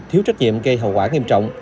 thiếu trách nhiệm gây hậu quả nghiêm trọng